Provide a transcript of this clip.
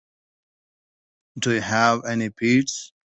Do you have any pets?